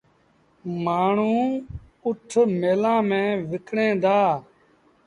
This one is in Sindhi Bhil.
مآڻهوٚݩ اُٺ ميلآن ميݩ وڪڻين دآ۔